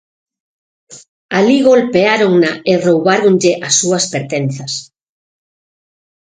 Alí golpeárona e roubáronlle as súas pertenzas.